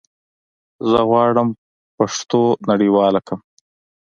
زه غواړم پښتو نړيواله کړم